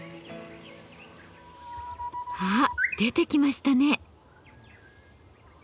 あっ出てきましたね。